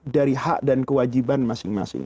dari hak dan kewajiban masing masing